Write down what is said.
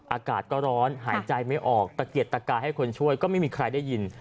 อากาศก็ร้อนหายใจไม่ออกตะเกียดตะกายให้คนช่วยก็ไม่มีใครได้ยิน